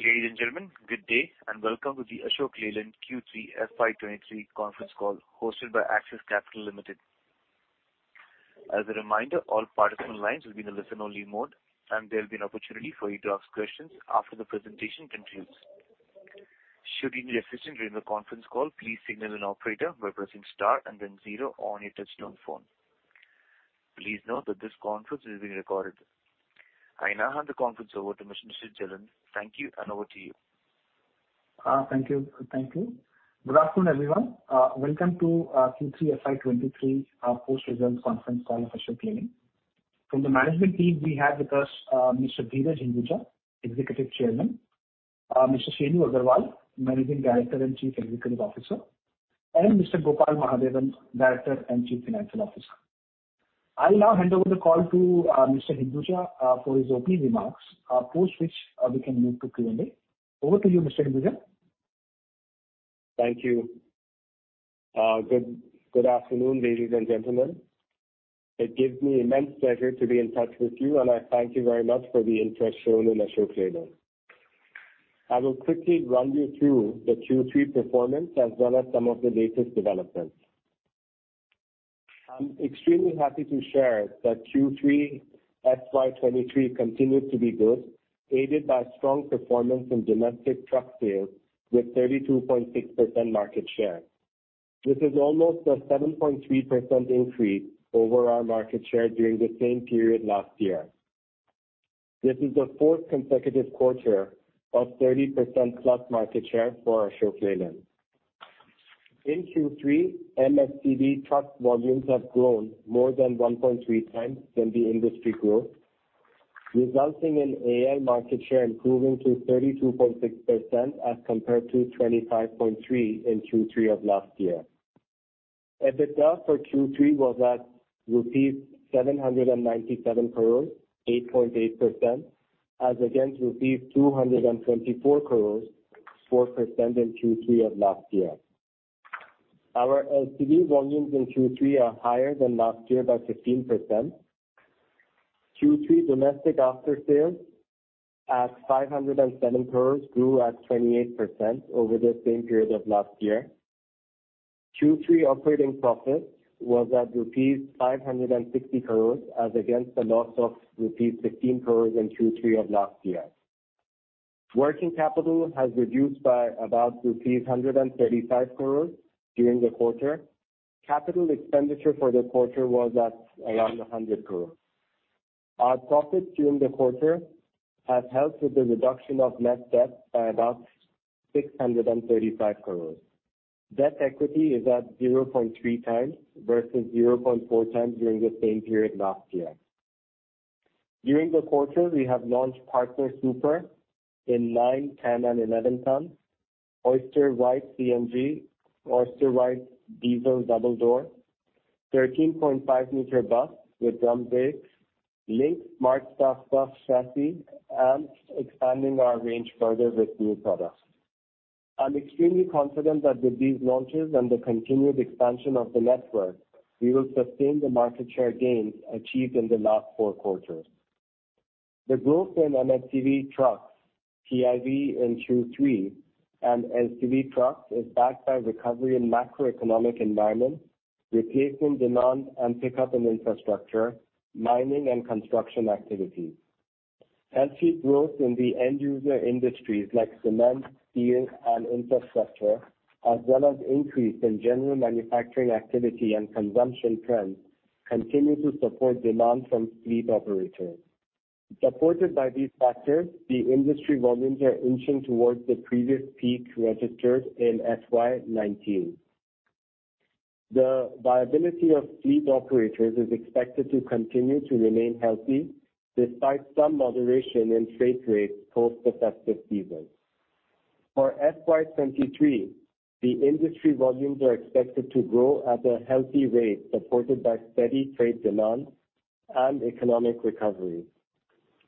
Ladies and gentlemen, good day and welcome to the Ashok Leyland Q3 FY 2023 conference call hosted by Axis Capital Limited. As a reminder, all participant lines will be in a listen-only mode, and there'll be an opportunity for you to ask questions after the presentation concludes. Should you need assistance during the conference call, please signal an operator by pressing star and then zero on your touchtone phone. Please note that this conference is being recorded. I now hand the conference over to Mr. Nishit Jalan. Thank you, and over to you. Thank you. Thank you. Good afternoon, everyone. Welcome to Q3 FY 2023 post-results conference call for Ashok Leyland. From the management team we have with us Mr. Dheeraj Hinduja, Executive Chairman, Mr. Shenu Agarwal, Managing Director and Chief Executive Officer, and Mr. Gopal Mahadevan, Director and Chief Financial Officer. I now hand over the call to Mr. Hinduja for his opening remarks, post which we can move to Q&A. Over to you, Mr. Hinduja. Thank you. Good afternoon, ladies and gentlemen. It gives me immense pleasure to be in touch with you, and I thank you very much for the interest shown in Ashok Leyland. I will quickly run you through the Q3 performance as well as some of the latest developments. I'm extremely happy to share that Q3 FY 2023 continued to be good, aided by strong performance in domestic truck sales with 32.6% market share. This is almost a 7.3% increase over our market share during the same period last year. This is the fourth consecutive quarter of 30%+ market share for Ashok Leyland. In Q3, M&HCV truck volumes have grown more than 1.3x than the industry growth, resulting in AL market share improving to 32.6% as compared to 25.3% in Q3 of last year. EBITDA for Q3 was at INR 797 crore, 8.8%, as against rupees 224 crore, 4% in Q3 of last year. Our LCV volumes in Q3 are higher than last year by 15%. Q3 domestic after-sales at 507 crore grew at 28% over the same period of last year. Q3 operating profit was at rupees 560 crore as against a loss of rupees 15 crore in Q3 of last year. Working capital has reduced by about rupees 135 crore during the quarter. Capital expenditure for the quarter was at around 100 crore. Our profits during the quarter have helped with the reduction of net debt by about 635 crore. Debt equity is at 0.3x versus 0.4x during the same period last year. During the quarter, we have launched Partner Super in nine-, 10- and 11-ton, Oyster Wide CNG, Oyster Wide Diesel Double Door, 13.5-m bus with drum brakes, Lynx Smart Staff Bus Chassis, and expanding our range further with new products. I'm extremely confident that with these launches and the continued expansion of the network, we will sustain the market share gains achieved in the last four quarters. The growth in M&HCV trucks CIV in Q3 and LCV trucks is backed by recovery in macroeconomic environment, replacement demand and pickup in infrastructure, mining and construction activities. Healthy growth in the end user industries like cement, steel and infrastructure, as well as increase in general manufacturing activity and consumption trends continue to support demand from fleet operators. Supported by these factors, the industry volumes are inching towards the previous peak registered in FY 2019. The viability of fleet operators is expected to continue to remain healthy, despite some moderation in freight rates post the festive season. For FY 2023, the industry volumes are expected to grow at a healthy rate, supported by steady freight demand and economic recovery.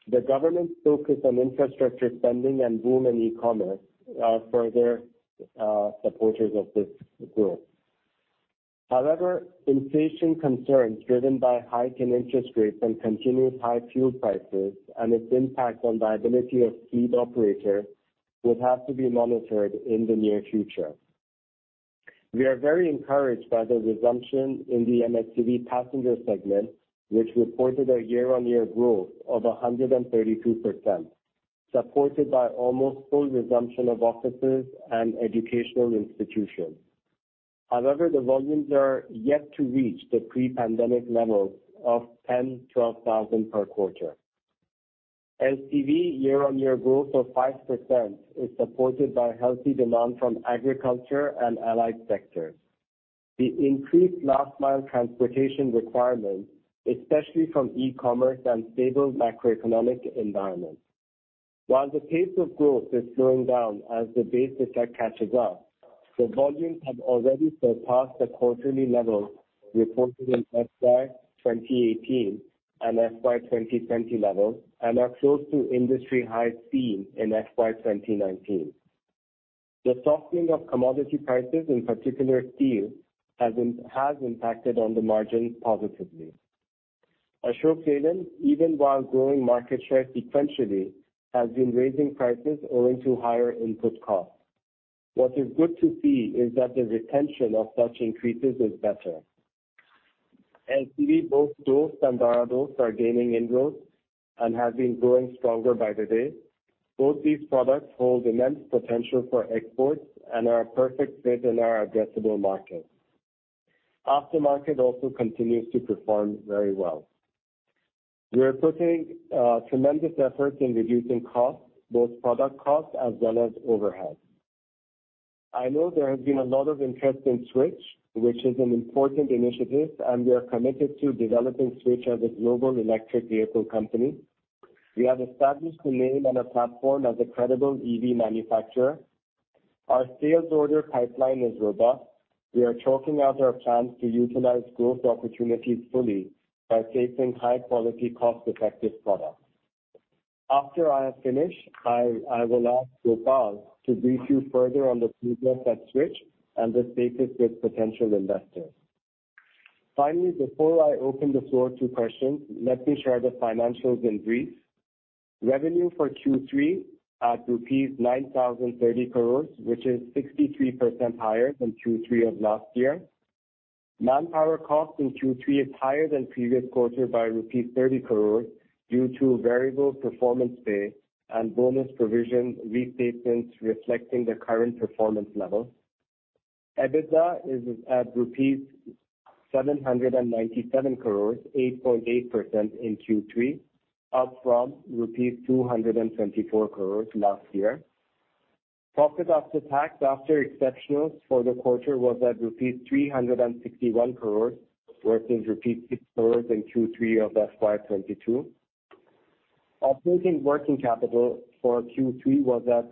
The government's focus on infrastructure spending and boom in e-commerce are further supporters of this growth. However, inflation concerns driven by hike in interest rates and continuous high fuel prices and its impact on viability of fleet operator would have to be monitored in the near future. We are very encouraged by the resumption in the M&HCV Passenger segment, which reported a year-on-year growth of 132%, supported by almost full resumption of offices and educational institutions. However, the volumes are yet to reach the pre-pandemic levels of 10,000-12,000 per quarter. LCV year-on-year growth of 5% is supported by healthy demand from agriculture and allied sectors. The increased last mile transportation requirements, especially from e-commerce and stable macroeconomic environment, while the pace of growth is slowing down as the base effect catches up, the volumes have already surpassed the quarterly levels reported in FY 2018 and FY 2020 levels and are close to industry high seen in FY 2019. The softening of commodity prices, in particular steel, has impacted on the margin positively. Ashok Leyland, even while growing market share sequentially, has been raising prices owing to higher input costs. What is good to see is that the retention of such increases is better. LCV, both DOST and Bada DOST are gaining inroads and have been growing stronger by the day. Both these products hold immense potential for exports and are a perfect fit in our addressable markets. Aftermarket also continues to perform very well. We are putting tremendous efforts in reducing costs, both product costs as well as overheads. I know there has been a lot of interest in Switch, which is an important initiative, and we are committed to developing Switch as a global electric vehicle company. We have established a name and a platform as a credible EV manufacturer. Our sales order pipeline is robust. We are chalking out our plans to utilize growth opportunities fully by chasing high quality, cost-effective products. After I have finished, I will ask Gopal to brief you further on the progress at Switch and the status with potential investors. Finally, before I open the floor to questions, let me share the financials in brief. Revenue for Q3 at rupees 9,030 crore, which is 63% higher than Q3 of last year. Manpower cost in Q3 is higher than previous quarter by rupees 30 crore due to variable performance pay and bonus provision restatements reflecting the current performance level. EBITDA is at rupees 797 crore, 8.8% in Q3, up from rupees 224 crore last year. Profit after tax after exceptionals for the quarter was at rupees 361 crore versus rupees 6 crore in Q3 of FY 2022. Operating working capital for Q3 was at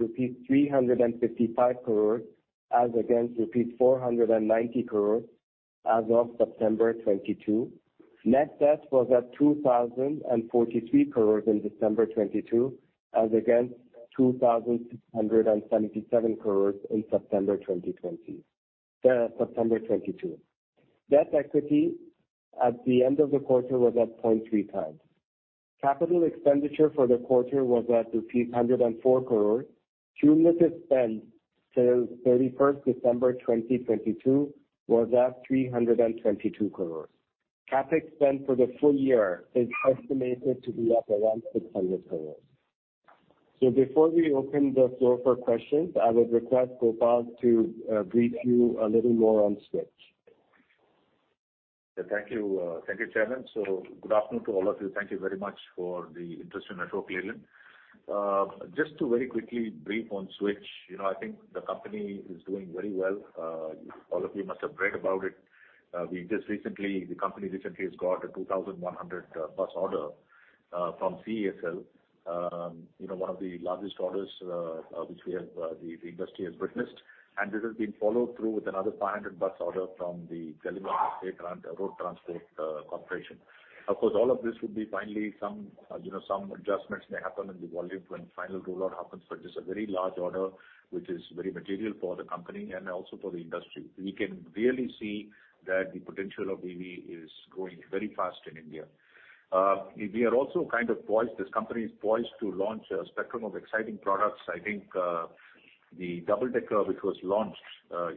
355 crore as against 490 crore as of September 2022. Net debt was at 2,043 crore in December 2022, as against 2,677 crore in September 2022. Net equity at the end of the quarter was at 0.3x. Capital expenditure for the quarter was at 104 crore. Cumulative spend till 31st December 2022 was at 322 crore. CapEx spend for the full year is estimated to be at around 600 crore. Before we open the floor for questions, I would request Gopal to brief you a little more on Switch. Thank you. Thank you, Chairman. So good afternoon to all of you. Thank you very much for the interest in Ashok Leyland. Just to very quickly brief on Switch, you know, I think the company is doing very well. All of you must have read about it. The company recently has got a 2,100-bus order from CESL, you know, one of the largest orders which we have, the industry has witnessed. This has been followed through with another 500-bus order from the Delhi State Road Transport Corporation. Of course, all of this would be finally some, you know, some adjustments may happen in the volume when final rollout happens, but it's a very large order, which is very material for the company and also for the industry. We can really see that the potential of EV is growing very fast in India. We are also kind of poised, this company is poised to launch a spectrum of exciting products. I think, the double-decker, which was launched,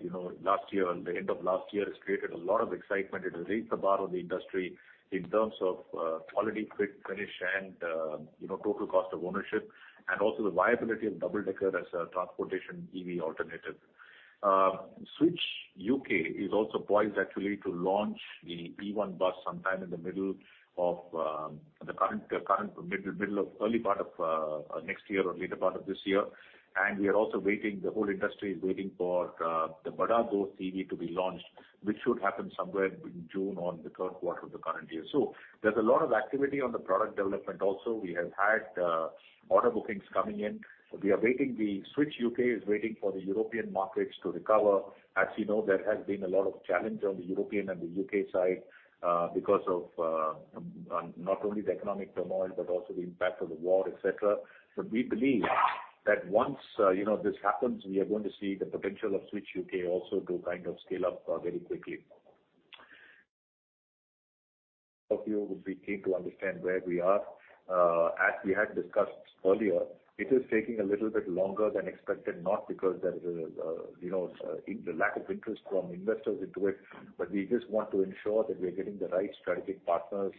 you know, last year, the end of last year, has created a lot of excitement. It has raised the bar of the industry in terms of, quality, fit, finish and, you know, total cost of ownership and also the viability of double-decker as a transportation EV alternative. Switch UK is also poised actually to launch the E1 Bus sometime in the middle of the current, early part of next year or later part of this year. We are also waiting, the whole industry is waiting for the Bada DOST EV to be launched, which should happen somewhere in June or in the third quarter of the current year. So there's a lot of activity on the product development also. We have had order bookings coming in. We are waiting, the Switch UK is waiting for the European markets to recover. As you know, there has been a lot of challenge on the European and the U.K. side, because of not only the economic turmoil, but also the impact of the war, et cetera. But we believe that once, you know, this happens, we are going to see the potential of Switch UK also to kind of scale up very quickly. Hope you will be keen to understand where we are. Uh, as we had discussed earlier, it is taking a little bit longer than expected, not because there is, uh, you know, uh, lack of interest from investors into it, but we just want to ensure that we are getting the right strategic partners,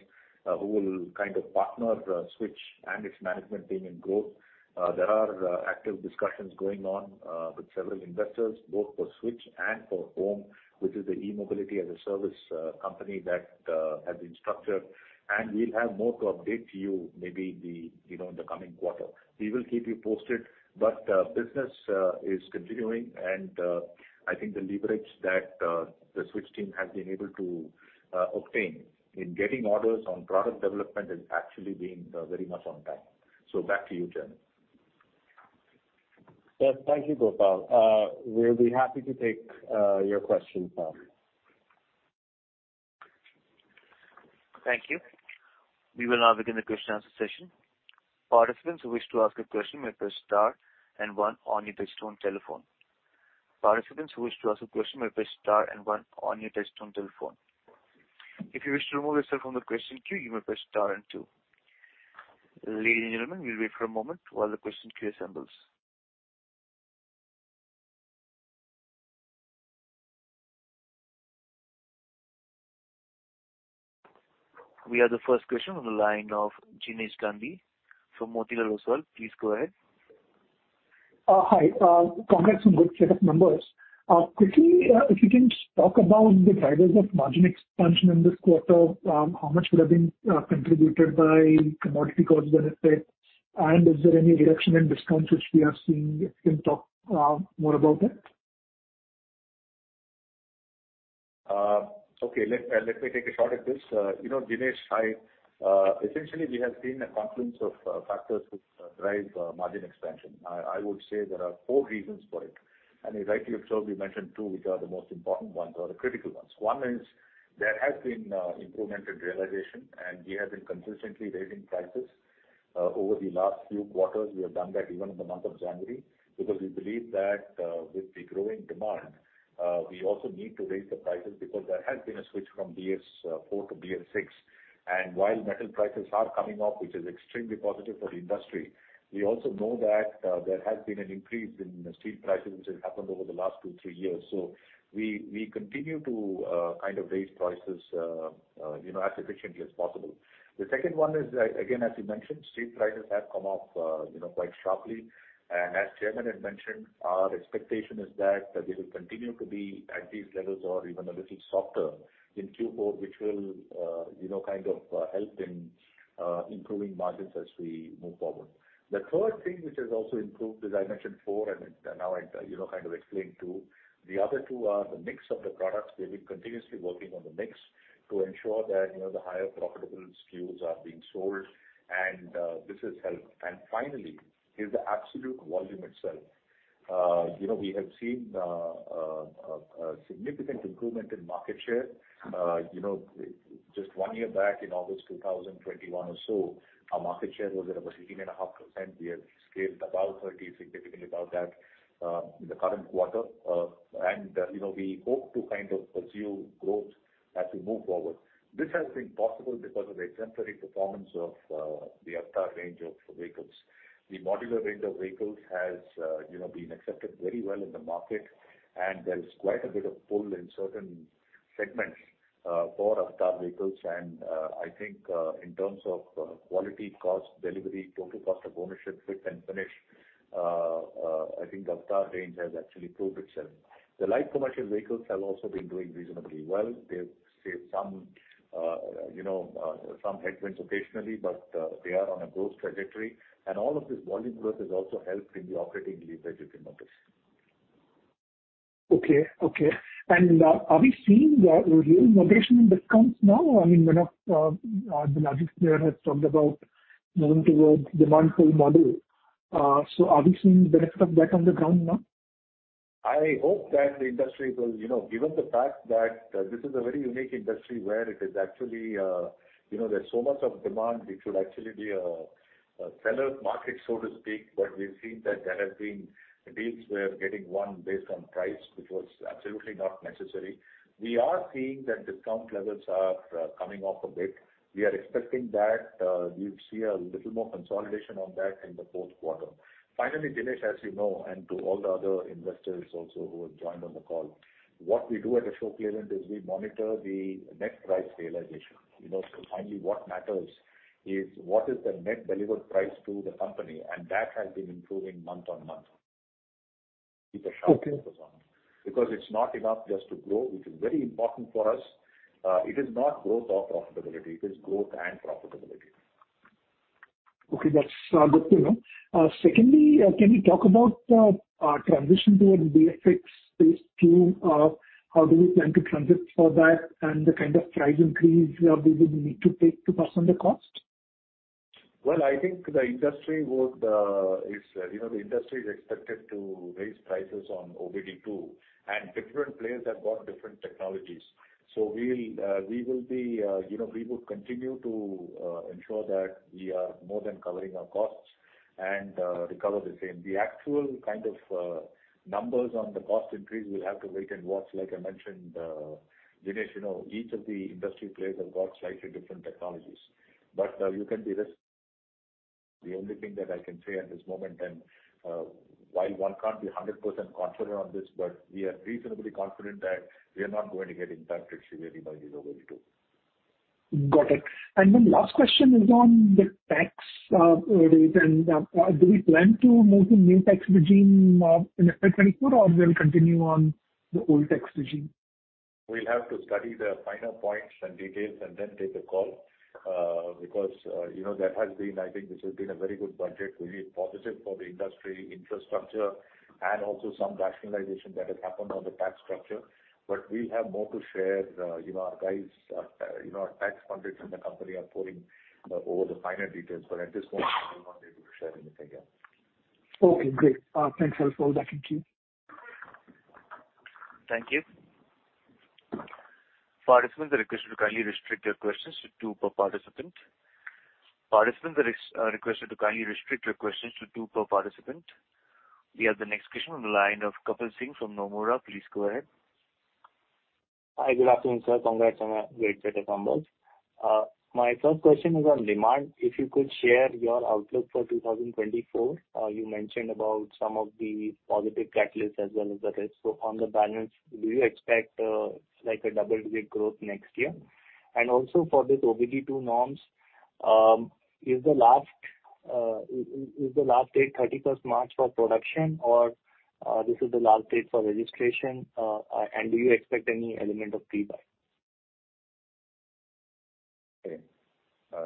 uh, who will kind of partner Switch and its management team in growth. Uh, there are, uh, active discussions going on, uh, with several investors, both for Switch and for OHM, which is the e-Mobility-as-a-service, uh, company that, uh, has been structured, and we'll have more to update you maybe in the, you know, in the coming quarter. We will keep you posted, but, uh, business, uh, is continuing, and, uh, I think the leverage that, uh, the Switch team has been able to, uh, obtain in getting orders on product development is actually being, uh, very much on time." So back to you, Chairman. Yes. Thank you, Gopal. We'll be happy to take your questions now. Thank you. We will now begin the question-and-answer session. Participants who wish to ask a question may press star and one on your touchtone telephone. Participants who wish to ask a question may press star and one on your touchtone telephone. If you wish to remove yourself from the question queue, you may press star and two. Ladies and gentlemen, we'll wait for a moment while the question queue assembles. We have the first question on the line of Jinesh Gandhi from Motilal Oswal. Please go ahead. Hi. Congrats on good set of numbers. Quickly, if you can talk about the drivers of margin expansion in this quarter, how much would have been contributed by commodity cost benefit, and is there any reduction in discounts which we are seeing? If you can talk more about that. Okay. Let me take a shot at this. You know, Jinesh, hi. Essentially we have seen a confluence of factors which drive margin expansion. I would say there are four reasons for it. Rightly observed, you mentioned two, which are the most important ones or the critical ones. One is there has been improvement in realization, and we have been consistently raising prices over the last few quarters. We have done that even in the month of January. We believe that with the growing demand, we also need to raise the prices because there has been a switch from BS-IV to BS-VI. While metal prices are coming up, which is extremely positive for the industry, we also know that there has been an increase in steel prices which has happened over the last two, three years. So we continue to kind of raise prices, you know, as efficiently as possible. The second one is, again, as you mentioned, steel prices have come off, you know, quite sharply. As Chairman had mentioned, our expectation is that they will continue to be at these levels or even a little softer in Q4, which will, you know, kind of help in improving margins as we move forward. The third thing which has also improved, as I mentioned four and now I, you know, kind of explained two. The other two are the mix of the products. We've been continuously working on the mix to ensure that, you know, the higher profitable SKUs are being sold, and this has helped. And finally is the absolute volume itself. You know, we have seen a significant improvement in market share. You know, just one year back in August 2021 or so, our market share was at about 16.5%. We have scaled above 30%, significantly above that, in the current quarter. And you know, we hope to kind of pursue growth as we move forward. This has been possible because of the exemplary performance of the AVTR range of vehicles. The modular range of vehicles has, you know, been accepted very well in the market, and there is quite a bit of pull in certain segments for AVTR vehicles. And I think, in terms of quality, cost, delivery, total cost of ownership, fit and finish, I think AVTR range has actually proved itself. The light commercial vehicles have also been doing reasonably well. They've faced some, you know, some headwinds occasionally. They are on a growth trajectory. And all of this volume growth has also helped in the operating leverage you can notice. Okay. Okay. And are we seeing a real moderation in discounts now? I mean, one of the largest player has talked about moving towards demand pull model. So are we seeing the benefit of that on the ground now? I hope that the industry will. You know, given the fact that this is a very unique industry where it is actually, you know, there's so much of demand, it should actually be a seller's market, so to speak. But we've seen that there have been deals where getting one based on price, which was absolutely not necessary. We are seeing that discount levels are coming off a bit. We are expecting that we'll see a little more consolidation on that in the fourth quarter. Finally, Jinesh, as you know, and to all the other investors also who have joined on the call, what we do at Ashok Leyland is we monitor the net price realization. You know, finally, what matters is what is the net delivered price to the company, and that has been improving month-on-month. Okay. Because it's not enough just to grow. It is very important for us. It is not growth or profitability. It is growth and profitability. Okay, that's good to know. Secondly, can you talk about transition toward BS-VI Phase 2? How do we plan to transit for that and the kind of price increase we would need to take to pass on the cost? Well, I think would, you know, the industry is expected to raise prices on OBD2. Different players have got different technologies. So we would continue to ensure that we are more than covering our costs and recover the same. The actual kind of numbers on the cost increase, we'll have to wait and watch. Like I mentioned, Jinesh, you know, each of the industry players have got slightly different technologies. But you can derisk. The only thing that I can say at this moment, and while one can't be 100% confident on this, but we are reasonably confident that we are not going to get impacted severely by OBD2. Got it. Last question is on the tax rate and do we plan to move to new tax regime in FY 2024, or we'll continue on the old tax regime? We'll have to study the finer points and details and then take a call because, you know, there has been, I think this has been a very good budget, really positive for the industry infrastructure and also some rationalization that has happened on the tax structure. We have more to share. You know, our guys, you know, our tax pundits in the company are pouring over the finer details. At this point, I'm not able to share anything yet. Okay, great. Thanks a lot for that. Thank you. Thank you. Participants are requested to kindly restrict their questions to two per participant. Participants are requested to kindly restrict your questions to two per participant. We have the next question on the line of Kapil Singh from Nomura. Please go ahead. Hi. Good afternoon, sir. Congrats on a great set of numbers. My first question is on demand. If you could share your outlook for 2024. You mentioned about some of the positive catalysts as well as the risks. On the balance, do you expect like a double-digit growth next year? And also for this OBD2 norms, is the last date 31st March for production or this is the last date for registration? And do you expect any element of pre-buy? Okay. Dheeraj,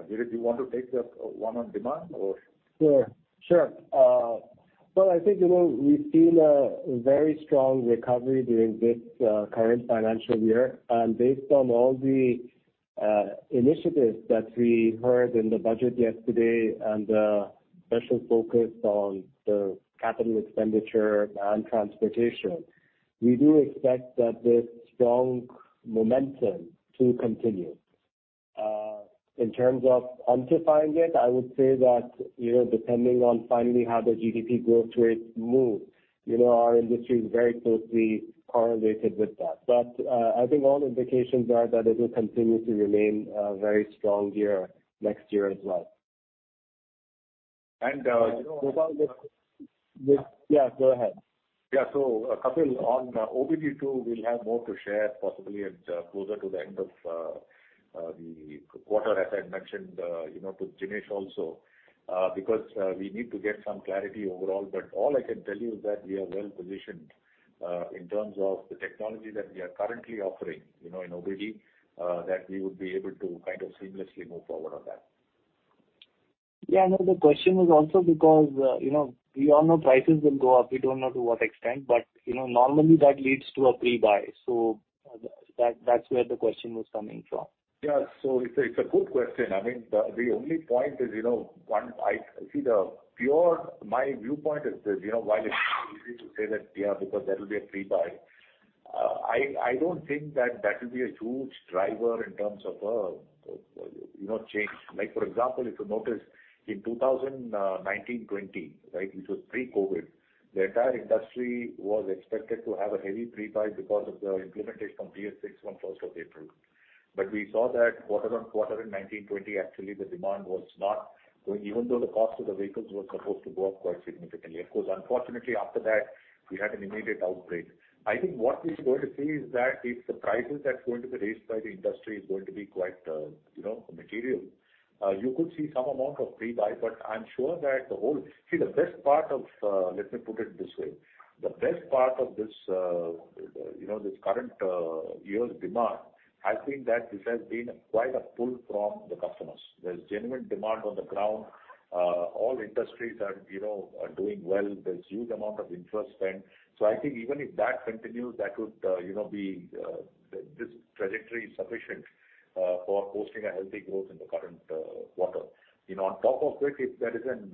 do you want to take the one on demand or? Sure, sure. Well, I think, you know, we've seen a very strong recovery during this current financial year. And based on all the initiatives that we heard in the budget yesterday and the special focus on the capital expenditure and transportation, we do expect that this strong momentum to continue. In terms of quantifying it, I would say that, you know, depending on finally how the GDP growth rate moves, you know, our industry is very closely correlated with that. But I think all indications are that it will continue to remain very strong year, next year as well. And you know. Just. Yeah, go ahead. Yeah. So Kapil, on OBD2, we'll have more to share possibly at closer to the end of the quarter, as I mentioned, you know, to Jinesh also because we need to get some clarity overall, but all I can tell you is that we are well positioned in terms of the technology that we are currently offering, you know, in OBD, that we would be able to kind of seamlessly move forward on that. Yeah. you know the question was also because, you know, we all know prices will go up. We don't know to what extent, but, you know, normally that leads to a pre-buy. So that, that's where the question was coming from. Yeah. So it's a good question. I mean, but the only point is, you know, my viewpoint is this, you know, while it's easy to say that, yeah, because there will be a pre-buy, I don't think that that will be a huge driver in terms of, you know, change. Like for example, if you notice in 2019-2020, right, which was pre-COVID, the entire industry was expected to have a heavy pre-buy because of the implementation of BS-VI on first of April. But we saw that quarter-on-quarter in 2019-2020, actually the demand was not going, even though the cost of the vehicles were supposed to go up quite significantly. Of course, unfortunately, after that we had an immediate outbreak. I think what we're going to see is that if the prices that's going to be raised by the industry is going to be quite, you know, material, you could see some amount of pre-buy, but I'm sure that the best part of, let me put it this way, the best part of this, you know, this current year's demand, I think that this has been quite a pull from the customers. There's genuine demand on the ground. All industries are, you know, are doing well. There's huge amount of interest spent. So I think even if that continues, that would, you know, be this trajectory sufficient for hosting a healthy growth in the current quarter. You know, on top of it, if there is an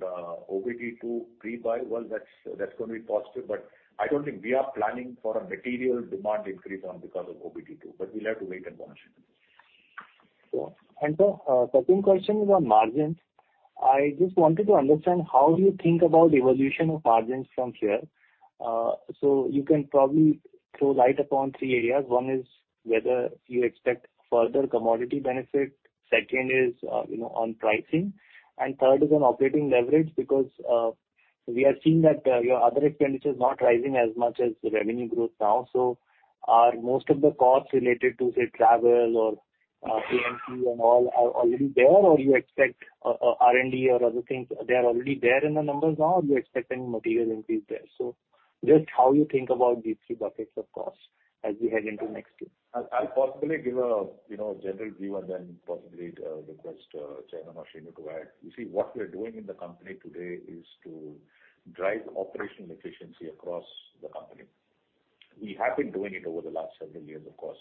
OBD2 pre-buy, well that's gonna be positive, but I don't think we are planning for a material demand increase on because of OBD2, but we'll have to wait and watch. And second question is on margins. I just wanted to understand how you think about evolution of margins from here. So you can probably throw light upon three areas. One is whether you expect further commodity benefit. Second is, you know, on pricing, and third is on operating leverage because, we are seeing that, your other expenditure is not rising as much as revenue growth now. So are most of the costs related to, say, travel or, P&P and all are already there, or you expect, R&D or other things, they are already there in the numbers, or are you expecting material increase there? So just how you think about these three buckets of costs as we head into next year. I'll possibly give a, you know, a general view and then possibly request Chairman or Shenu to add. You see, what we are doing in the company today is to drive operational efficiency across the company. We have been doing it over the last several years, of course.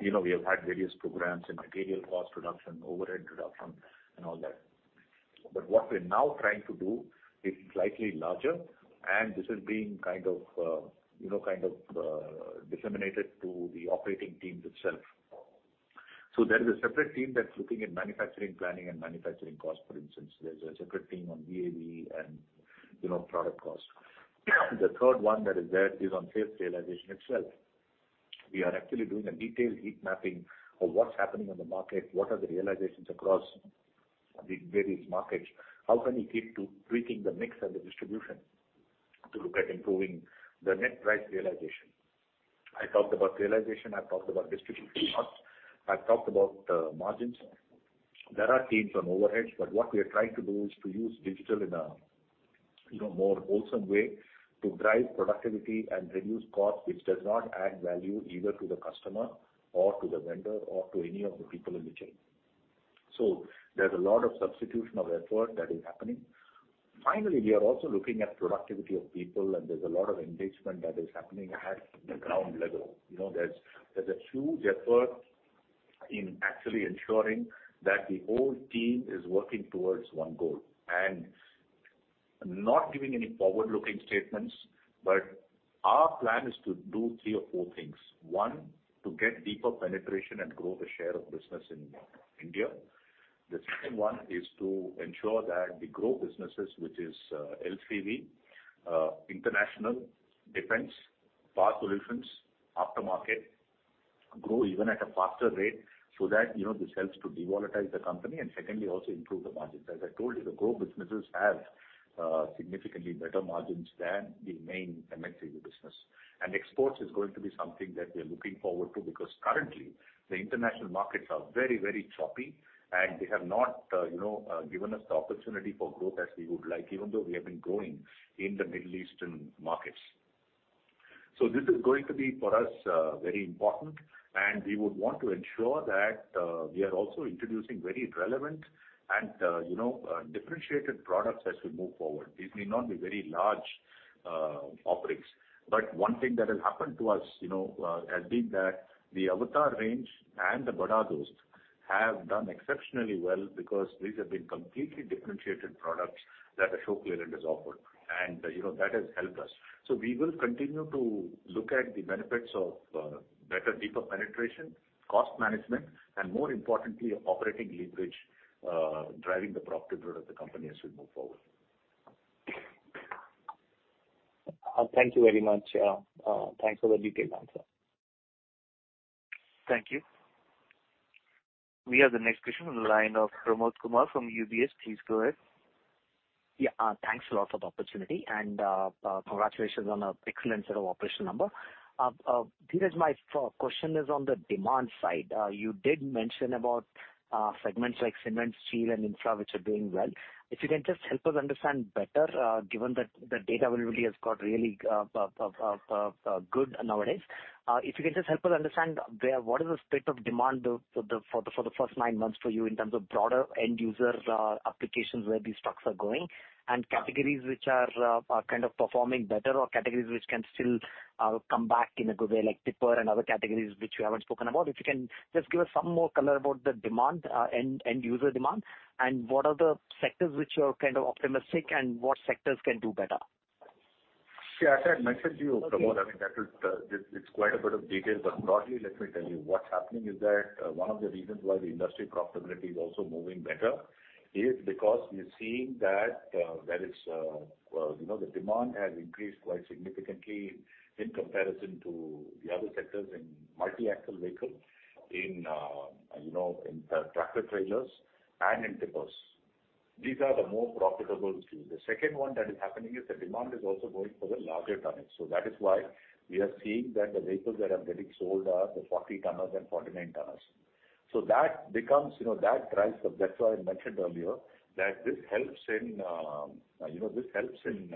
You know, we have had various programs in material cost reduction, overhead reduction and all that. But what we're now trying to do is slightly larger, and this is being kind of, you know, kind of disseminated to the operating teams itself. So there is a separate team that's looking at manufacturing planning and manufacturing cost, for instance. There's a separate team on VAVE and, you know, product cost. The third one that is there is on sales realization itself. We are actually doing a detailed heat mapping of what's happening on the market, what are the realizations across the various markets. How can we keep to tweaking the mix and the distribution to look at improving the net price realization? I talked about realization, I've talked about distribution costs, I've talked about margins. There are teams on overheads, but what we are trying to do is to use digital in a, you know, more wholesome way to drive productivity and reduce costs, which does not add value either to the customer or to the vendor or to any of the people in the chain. So there's a lot of substitution of effort that is happening. Finally, we are also looking at productivity of people, and there's a lot of engagement that is happening at the ground level. You know, there's a huge effort in actually ensuring that the whole team is working towards one goal. And I'm not giving any forward-looking statements, but our plan is to do three or four things. One, to get deeper penetration and grow the share of business in India. The second one is to ensure that the growth businesses, which is LCV, International, Defense, Power Solutions, Aftermarket, grow even at a faster rate so that, you know, this helps to depolitize the company and secondly, also improve the margins. As I told you, the growth businesses have significantly better margins than the main M&HCV business. And Exports is going to be something that we are looking forward to, because currently the international markets are very, very choppy, and they have not, you know, given us the opportunity for growth as we would like, even though we have been growing in the Middle Eastern markets. So this is going to be, for us, very important, and we would want to ensure that, we are also introducing very relevant and, you know, differentiated products as we move forward. These may not be very large offerings, but one thing that has happened to us, you know, has been that the AVTR range and the Bada DOST have done exceptionally well because these have been completely differentiated products that Ashok Leyland has offered. And you know, that has helped us. So we will continue to look at the benefits of better, deeper penetration, cost management, and more importantly, operating leverage, driving the profitability of the company as we move forward. Thank you very much. Thanks for the detailed answer. Thank you. We have the next question on the line of Pramod Kumar from UBS. Please go ahead. Thanks a lot for the opportunity and congratulations on an excellent set of operational numbers. Dheeraj, my question is on the demand side. You did mention about segments like cement, steel and infra, which are doing well. If you can just help us understand better, given that the data availability has got really good nowadays. If you can just help us understand there what is the state of demand for the first nine months for you in terms of broader end user applications where these trucks are going, and categories which are kind of performing better or categories which can still come back in a good way, like Tipper and other categories which you haven't spoken about. If you can just give us some more color about the demand, end user demand and what are the sectors which you are kind of optimistic and what sectors can do better? Yeah. As I had mentioned to you, Pramod. Okay. I mean, that is, it's quite a bit of detail, but broadly, let me tell you what's happening is that one of the reasons why the industry profitability is also moving better is because we are seeing that there is, you know, the demand has increased quite significantly in comparison to the other sectors in multi-axle vehicle, in, you know, in, tractor-trailers and in tippers. These are the more profitable streams. The second one that is happening is the demand is also going for the larger tonnage. So that is why we are seeing that the vehicles that are getting sold are the 40 tonners and 49 tonners. That becomes, you know, that drives, that's why I mentioned earlier that this helps in, you know, this helps in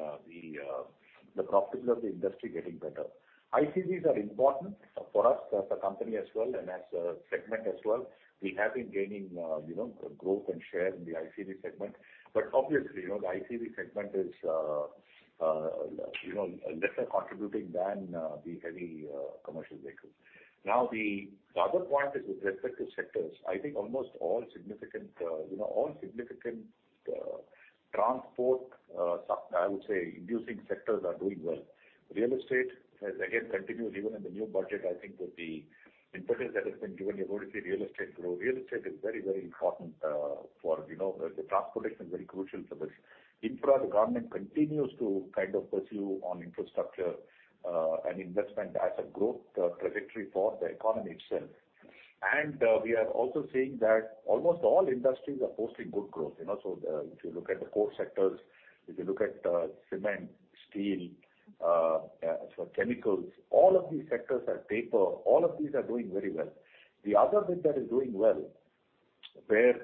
the profitability of the industry getting better. ICVs are important for us as a company as well, and as a segment as well. We have been gaining, you know, growth and share in the ICV segment. But obviously, you know, the ICV segment is, you know, lesser contributing than the Heavy Commercial Vehicles. The other point is with respect to sectors, I think almost all significant, you know, all significant transport, I would say inducing sectors are doing well. Real estate has again continued even in the new budget, I think with the impetus that has been given, you're going to see real estate grow. Real estate is very, very important, for, you know, the transportation is very crucial for this. Infra, the government continues to kind of pursue on infrastructure, and investment as a growth trajectory for the economy itself. We are also seeing that almost all industries are posting good growth, you know. If you look at the core sectors, if you look at cement, steel, chemicals, all of these sectors are paper, all of these are doing very well. The other bit that is doing well, where,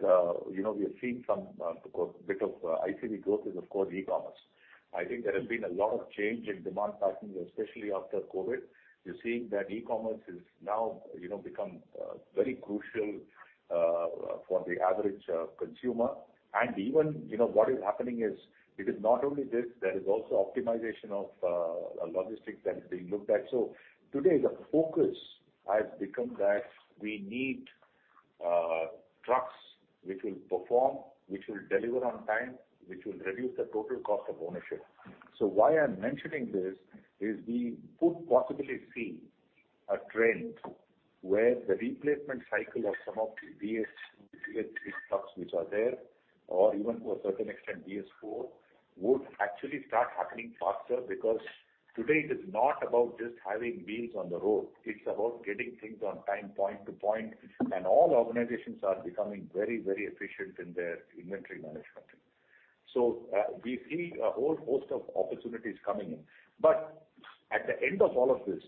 you know, we are seeing some, of course, bit of ICV growth is of course e-commerce. I think there has been a lot of change in demand patterns, especially after COVID. You're seeing that e-commerce is now, you know, become very crucial for the average consumer. Even, you know, what is happening is it is not only this, there is also optimization of logistics that is being looked at. So today the focus has become that we need trucks which will perform, which will deliver on time, which will reduce the total cost of ownership. So why I'm mentioning this is we could possibly see a trend where the replacement cycle of some of the BS-III trucks which are there, or even to a certain extent BS-IV, would actually start happening faster because today it is not about just having wheels on the road, it's about getting things on time, point to point, and all organizations are becoming very, very efficient in their inventory management. So we see a whole host of opportunities coming in. But at the end of all of this,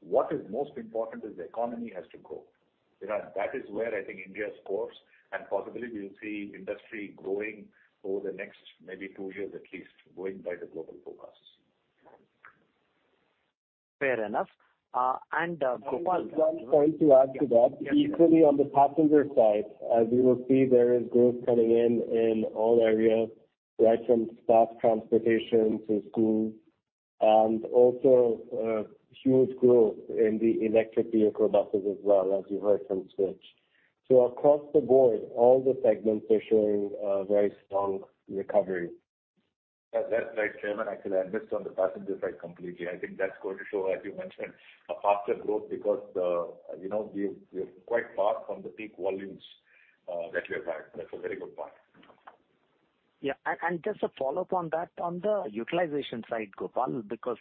what is most important is the economy has to grow. You know, that is where I think India scores, and possibly we will see industry growing over the next maybe two years at least, going by the global forecasts. Fair enough. Pramod, one point to add to that. Yes, please. Equally on the passenger side, as you will see, there is growth coming in in all areas, right from staff transportation to school. And also huge growth in the electric vehicle buses as well, as you heard from Switch. So across the board, all the segments are showing, very strong recovery. That's right, Chairman. Actually, I missed on the passenger side completely. I think that's going to show, as you mentioned, a faster growth because the, you know, we're quite far from the peak volumes that we have had. That's a very good point. Yeah. And just a follow-up on that, on the utilization side, Gopal, because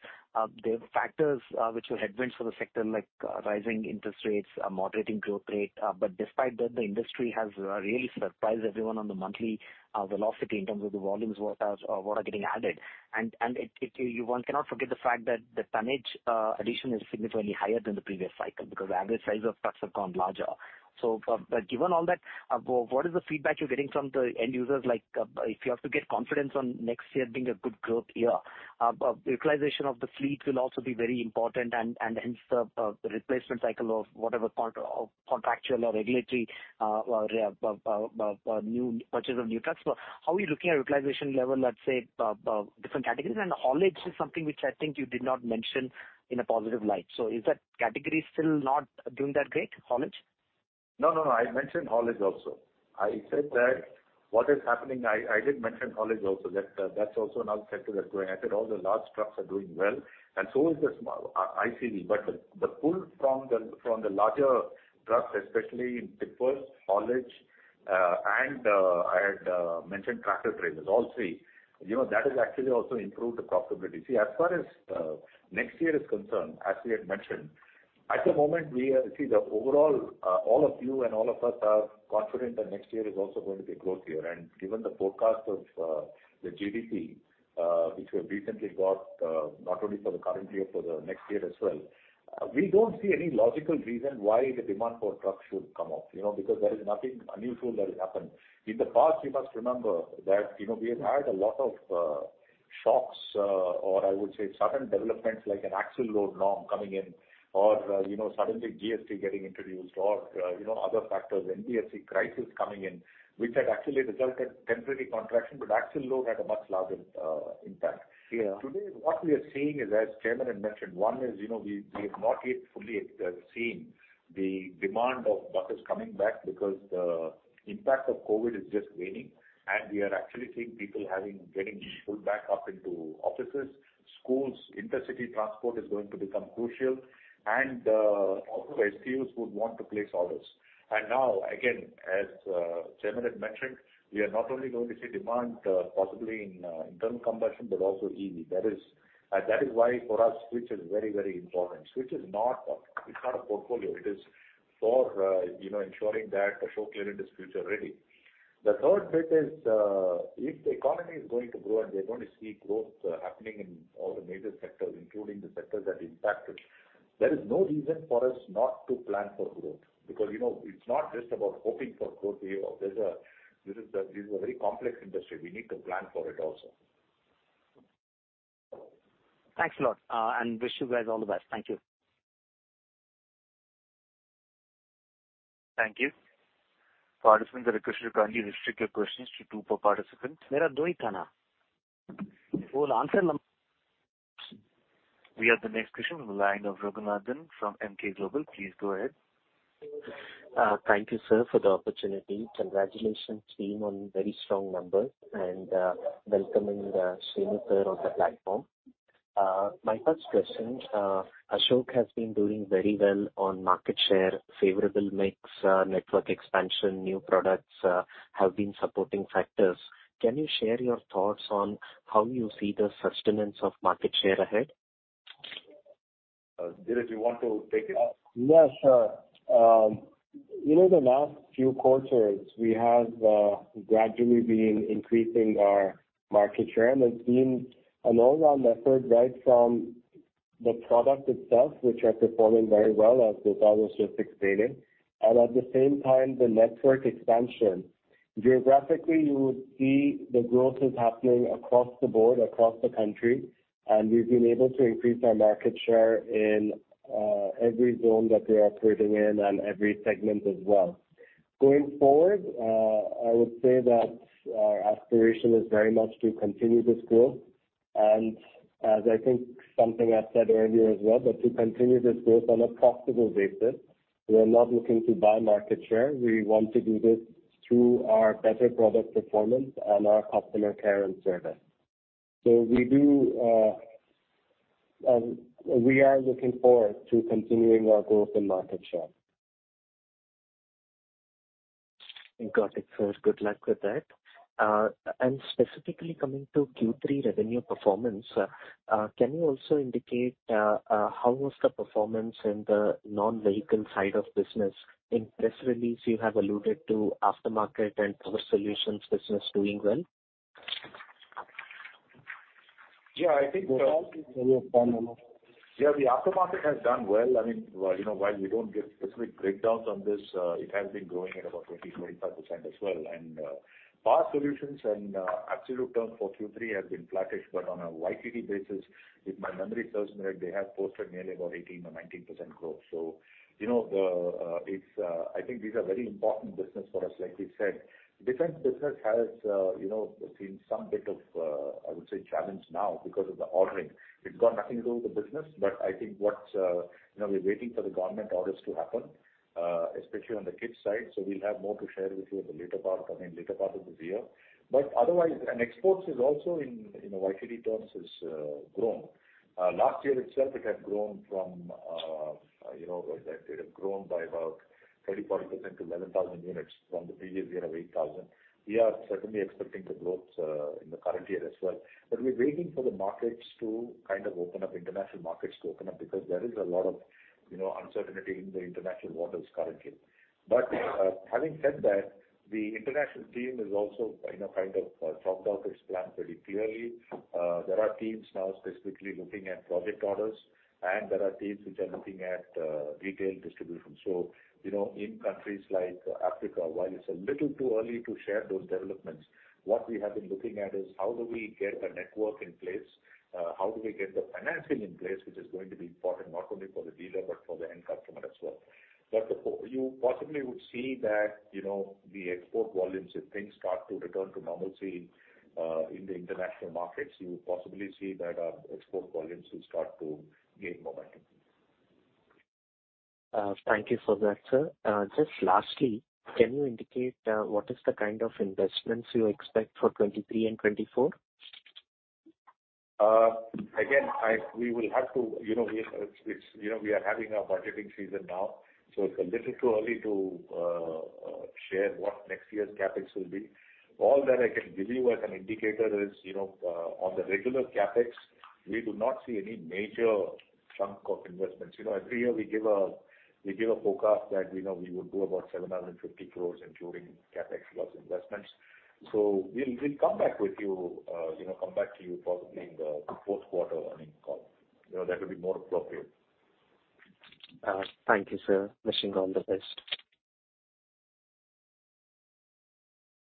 the factors which were headwinds for the sector, like rising interest rates, moderating growth rate, but despite that, the industry has really surprised everyone on the monthly velocity in terms of the volumes, what are getting added. And one cannot forget the fact that the tonnage addition is significantly higher than the previous cycle because the average size of trucks have gone larger. So given all that, what is the feedback you're getting from the end users? Like, if you have to get confidence on next year being a good growth year, utilization of the fleet will also be very important and hence the replacement cycle of whatever contractual or regulatory new purchase of new trucks. How are you looking at utilization level, let's say, different categories? And haulage is something which I think you did not mention in a positive light. So is that category still not doing that great, haulage? No, no, I mentioned haulage also. I said that what is happening, I did mention haulage also. That's also another sector that's growing. I said all the large trucks are doing well and so is the ICV. The pull from the, from the larger trucks, especially in tippers, haulage, and I had mentioned tractor-trailers, all three. You know, that has actually also improved the profitability. As far as next year is concerned, as we had mentioned, at the moment, we see the overall, all of you and all of us are confident that next year is also going to be a growth year. And given the forecast of the GDP, which we recently got, not only for the current year, for the next year as well, we don't see any logical reason why the demand for trucks should come up, you know, because there is nothing unusual that has happened. In the past, we must remember that, you know, we have had a lot of shocks, or I would say certain developments like an axle load norm coming in or, you know, suddenly GST getting introduced or, you know, other factors, NBFC crisis coming in, which had actually resulted temporary contraction, but axle load had a much larger impact. Yeah. Today, what we are seeing is, as Chairman had mentioned, one is, you know, we have not yet fully seen the demand of buses coming back because the impact of COVID is just waning and we are actually seeing people having, getting pulled back up into offices, schools, intercity transport is going to become crucial. And also SKUs would want to place orders. And now, again, as Chairman had mentioned, we are not only going to see demand possibly in internal combustion, but also EV. That is why for us Switch is very, very important. Switch is not a portfolio. It is for, you know, ensuring that Ashok Leyland is future ready. The third bit is, if the economy is going to grow and we're going to see growth happening in all the major sectors, including the sectors that impacted, there is no reason for us not to plan for growth because, you know, it's not just about hoping for growth here. This is a very complex industry. We need to plan for it also. Thanks a lot, and wish you guys all the best. Thank you. Thank you. Participants, I request you to kindly restrict your questions to two per participant. We have the next question in the line of Raghunandhan from Emkay Global. Please go ahead. Thank you, sir, for the opportunity. Congratulations team on very strong numbers and welcoming Shenu, sir, on the platform. My first question, Ashok has been doing very well on market share, favorable mix, network expansion, new products, have been supporting factors. Can you share your thoughts on how you see the sustenance of market share ahead? Dheeraj, do you want to take it? Yes, sir. You know the last few quarters we have gradually been increasing our market share, and it's been a long round effort right from the product itself, which are performing very well, as Gopal was just explaining. At the same time, the network expansion. Geographically, you would see the growth is happening across the board, across the country, and we've been able to increase our market share in every zone that we are operating in and every segment as well. Going forward, I would say that our aspiration is very much to continue this growth. As I think something I said earlier as well, to continue this growth on a profitable basis, we are not looking to buy market share. We want to do this through our better product performance and our customer care and service. So we are looking forward to continuing our growth in market share. Got it, sir. Good luck with that. And specifically coming to Q3 revenue performance, can you also indicate how was the performance in the non-vehicle side of business? In press release, you have alluded to Aftermarket and Power Solutions business doing well. Yeah. The Aftermarket has done well. I mean, you know, while we don't give specific breakdowns on this, it has been growing at about 20%-25% as well. And Power Solutions in absolute terms for Q3 has been flattish. But on a YTD basis, if my memory serves me right, they have posted nearly about 18% or 19% growth. So you know, it's, I think these are very important business for us, like we said. Defense business has, you know, seen some bit of, I would say challenge now because of the ordering. It's got nothing to do with the business, but I think what's, you know, we're waiting for the government orders to happen, especially on the kits side. So we'll have more to share with you in the later part, I mean, later part of this year. But otherwise, Exports is also in YTD terms has grown. Last year itself it had grown from, you know, it had grown by about 30%, 40% to 11,000 units from the previous year of 8,000. We are certainly expecting the growth in the current year as well. We're waiting for the markets to kind of open up, international markets to open up, because there is a lot of, you know, uncertainty in the international waters currently. But having said that, the international team is also, you know, kind of, topped off its plan pretty clearly. There are teams now specifically looking at project orders, and there are teams which are looking at retail distribution. So you know, in countries like Africa, while it's a little too early to share those developments, what we have been looking at is how do we get a network in place? How do we get the financing in place, which is going to be important not only for the dealer but for the end customer as well? Of course, you possibly would see that, you know, the export volumes, if things start to return to normalcy, in the international markets, you possibly see that our export volumes will start to gain momentum. Thank you for that, sir. Just lastly, can you indicate what is the kind of investments you expect for 2023 and 2024? Again, I, we will have to, you know, we, it's, you know, we are having our budgeting season now, so it's a little too early to share what next year's CapEx will be. All that I can give you as an indicator is, you know, on the regular CapEx, we do not see any major chunk of investments. You know, every year we give a forecast that, you know, we would do about 750 crore including CapEx plus investments. We'll come back with you know, come back to you possibly in the fourth quarter earnings call. You know, that would be more appropriate. Thank you, sir. Wishing you all the best.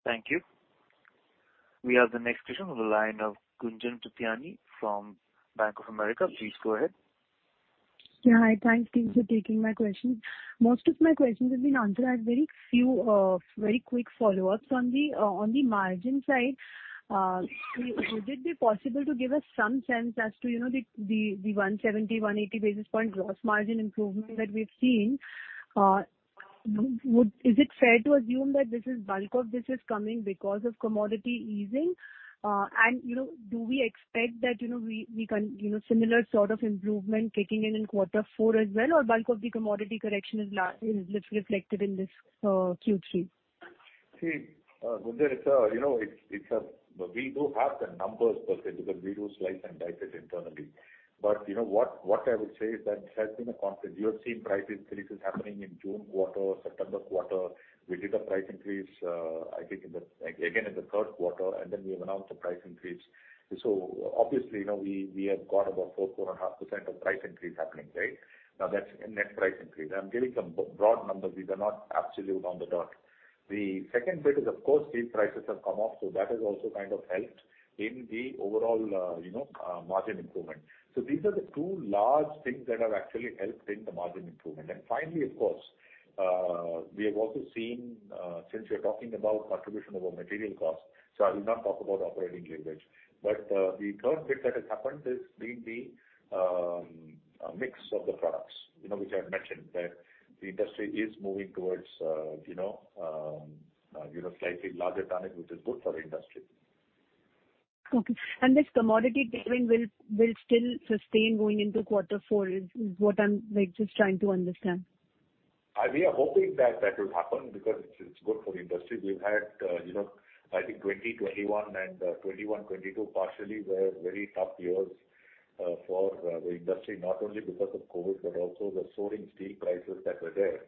Thank you. We have the next question on the line of Gunjan Prithyani from Bank of America. Please go ahead. Hi. Thanks for taking my questions. Most of my questions have been answered. I have very few, very quick follow-ups. On the, on the margin side, would it be possible to give us some sense as to, you know, the, the 170, 180 basis point gross margin improvement that we've seen? Is it fair to assume that this is bulk of this is coming because of commodity easing? And do we expect that, you know, we can, you know, similar sort of improvement kicking in in quarter four as well, or bulk of the commodity correction is reflected in this Q3? See, Gunjan, you know, we do have the numbers per se, because we do slice and dice it internally. But you know what I would say is that there has been a constant. You have seen price increases happening in June quarter, September quarter. We did a price increase, I think in the third quarter, we have announced the price increase. So obviously, you know, we have got about 4%-4.5% of price increase happening, right? Now, that's in net price increase. I'm giving some broad numbers. These are not absolute on the dot. The second bit is, of course, steel prices have come off, that has also kind of helped in the overall, you know, margin improvement. So these are the two large things that have actually helped in the margin improvement. And finally, of course, we have also seen, since you're talking about contribution over material cost, so I will not talk about operating leverage. The third bit that has happened has been the mix of the products, you know, which I've mentioned, that the industry is moving towards, you know, slightly larger tonnage, which is good for the industry. Okay. And this commodity tailwind will still sustain going into quarter four, is what I'm, like, just trying to understand? We are hoping that that will happen because it's good for the industry. We've had, you know, I think 2020-2021 and 2021-2022 partially were very tough years for the industry, not only because of COVID, but also the soaring steel prices that were there.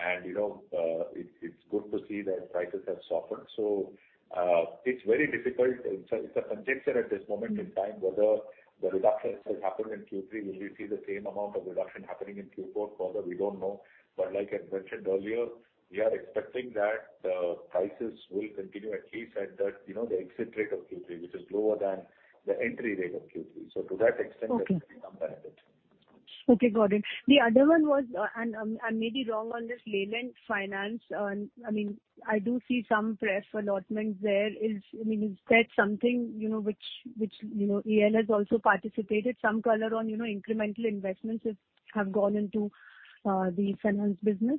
And you know, it's good to see that prices have softened. So it's very difficult. It's a conjecture at this moment in time whether the reduction has happened in Q3. Will we see the same amount of reduction happening in Q4? Further, we don't know. Like I mentioned earlier, we are expecting that prices will continue at least at that, you know, the exit rate of Q3, which is lower than the entry rate of Q3. So to that extent. Okay. There should be some benefit. Okay. Got it. The other one was. I may be wrong on this Leyland Finance. I mean, I do see some press allotments there. Is, I mean, is that something, you know, which, you know, AL has also participated? Some color on, you know, incremental investments which have gone into the finance business.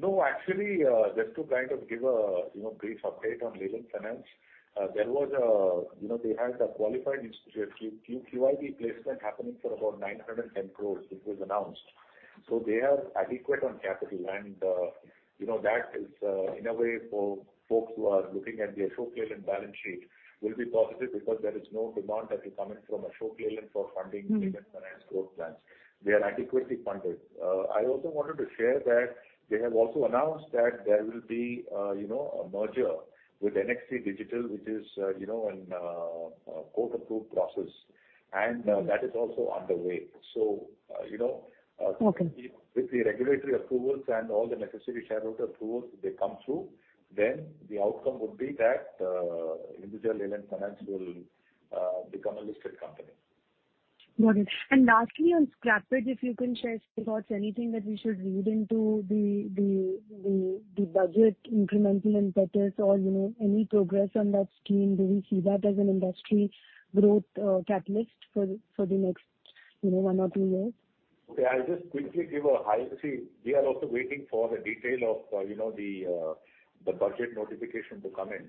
Actually, just to kind of give a, you know, brief update on Leyland Finance, there was a, you know, they had a qualified institute, QIB placement happening for about 910 crore, which was announced. They are adequate on capital. And you know, that is, in a way for folks who are looking at the Ashok Leyland balance sheet will be positive because there is no demand that is coming from Ashok Leyland for funding. Mm-hmm. Leyland Finance growth plans. They are adequately funded. I also wanted to share that they have also announced that there will be, you know, a merger with NXTDigital, which is, you know, in, a court-approved process. And that is also on the way. So you know. Okay. With the regulatory approvals and all the necessary shareholder approvals, they come through, then the outcome would be that Hinduja Leyland Finance will become a listed company. Got it. And lastly, on scrappage, if you can share thoughts, anything that we should read into the budget incremental impetus or, you know, any progress on that scheme. Do we see that as an industry growth catalyst for the next, you know, one or two years? Okay. I'll just quickly give a high... See, we are also waiting for the detail of, you know, the budget notification to come in.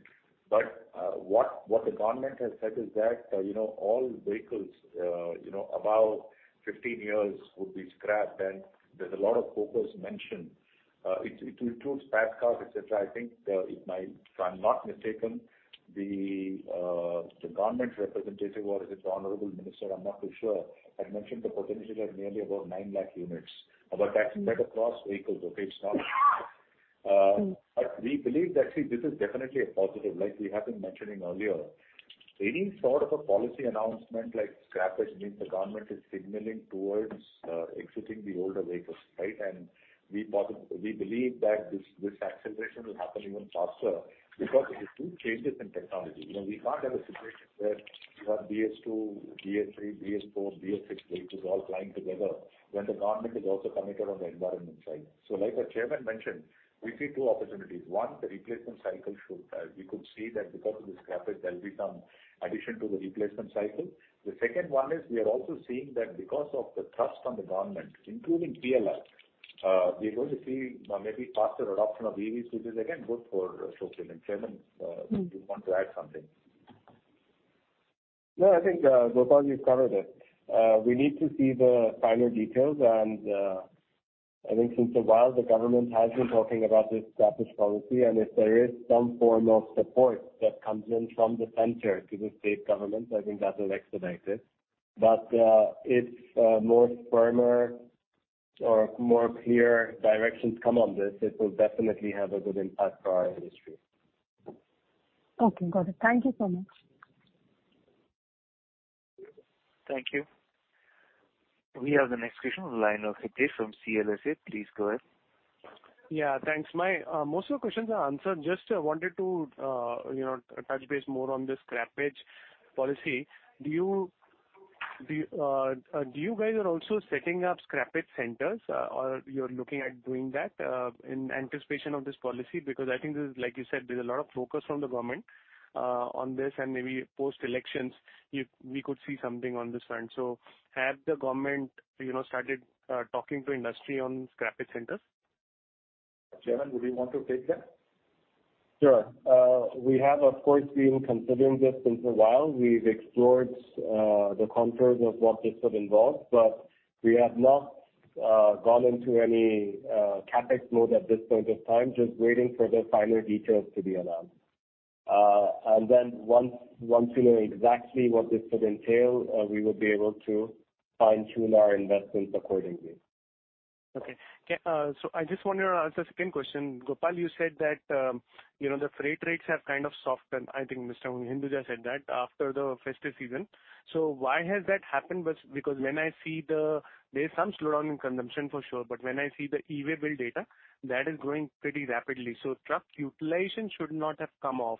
What the government has said is that, you know, all vehicles, you know, above 15 years would be scrapped, and there's a lot of focus mentioned. It includes private cars, et cetera. I think, if I'm not mistaken, the government representative or the Honorable Minister, I'm not too sure, had mentioned the potential is nearly about 9 lakh units. But that's spread across vehicles. Okay. It's not. Mm-hmm. We believe that this is definitely a positive. Like we have been mentioning earlier, any sort of a policy announcement like scrappage means the government is signaling towards exiting the older vehicles, right? We believe that this acceleration will happen even faster because there is two changes in technology. You know, we can't have a situation where you have BS-II, BS-III, BS-IV, BS-VI vehicles all plying together when the government is also committed on the environment side. So like our Chairman mentioned, we see two opportunities. One, the replacement cycle should, we could see that because of the scrappage there'll be some addition to the replacement cycle. The second one is we are also seeing that because of the thrust from the government, including PLI, we're going to see maybe faster adoption of EVs, which is again good for Ashok Leyland. And Chairman, do you want to add something? No. I think Gopal, you've covered it. We need to see the final details and I think since a while the government has been talking about this scrappage policy, and if there is some form of support that comes in from the center to the state government, I think that will expedite it. But if more firmer or more clear directions come on this, it will definitely have a good impact for our industry. Okay. Got it. Thank you so much. Thank you. We have the next question on the line of Hitesh from CLSA. Please go ahead. Yeah, thanks. My most of the questions are answered. Just wanted to, you know, touch base more on the scrappage policy. Do you guys are also setting up scrappage centers, or you're looking at doing that in anticipation of this policy? Because I think this, like you said, there's a lot of focus from the government on this, and maybe post-elections we could see something on this front. So has the government, you know, started talking to industry on scrappage centers? Chairman, would you want to take that? Sure. We have of course been considering this since a while. We've explored the contours of what this could involve, but we have not gone into any CapEx mode at this point of time. Just waiting for the final details to be announced. And then once we know exactly what this would entail, we would be able to fine-tune our investments accordingly. Okay. Okay, so I just wonder, second question. Gopal, you said that, you know, the freight rates have kind of softened. I think Mr. Hinduja said that after the festive season. So why has that happened? Because when I see the, there's some slowdown in consumption for sure, but when I see the e-Way bill data, that is growing pretty rapidly. So truck utilization should not have come off.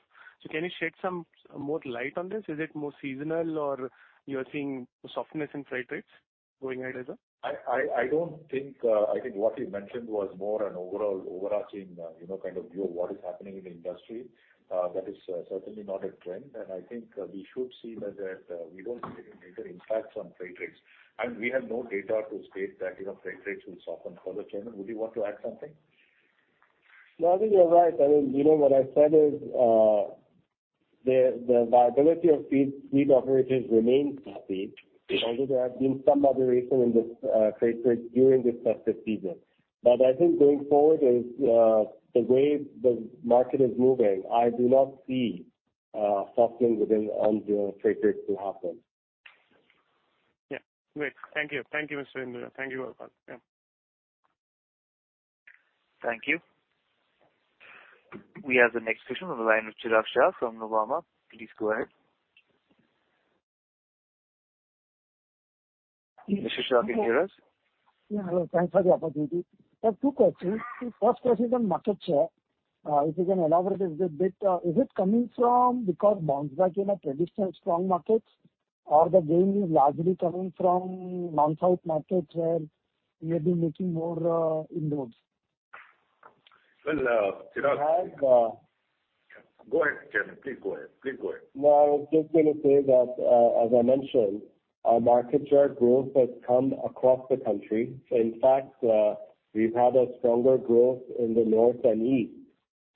Can you shed some more light on this? Is it more seasonal or you're seeing softness in freight rates going ahead as well? I don't think, I think what he mentioned was more an overall overarching, you know, kind of view of what is happening in the industry. That is certainly not a trend. And I think we should see that, we don't see any major impacts on freight rates. We have no data to state that, you know, freight rates will soften further. Chairman, would you want to add something? I think you're right. I mean, you know, what I said is, the viability of fleet operations remains healthy, although there have been some moderation in this, freight rates during this festive season. But I think going forward is, the way the market is moving, I do not see softening within ongoing freight rates to happen. Yeah. Great. Thank you. Thank you, Mr. Hinduja. Thank you, Gopal. Yeah. Thank you. We have the next question on the line with Chirag Shah from Nuvama. Please go ahead. Mr. Shah, can you hear us? Yeah. Hello. Thanks for the opportunity. I have two questions. First question on market share. If you can elaborate a bit, is it coming from because bounced back in a traditional strong markets or the gain is largely coming from non-Southmarkets where we have been making more inroads? Well, Chirag. I've- Go ahead, Chairman. Please go ahead. Please go ahead. No, I was just gonna say that, as I mentioned, our market share growth has come across the country. In fact, we've had a stronger growth in the North and East